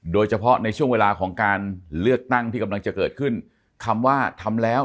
โดยเฉพาะในช่วงเวลาของการเลือกตั้งที่กำลังจะเกิดขึ้นคำว่าทำแล้ว